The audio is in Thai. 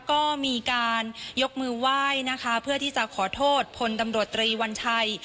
ก็มีการยกมือไหว้นะคะเพื่อที่จะขอโทษพลตำรวจตรีวัญชัย